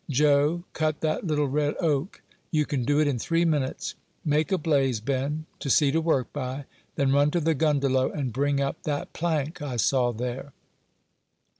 Joe, cut that little red oak; you can do it in three minutes. Make a blaze, Ben, to see to work by; then run to the 'gundelow,' and bring up that plank I saw there."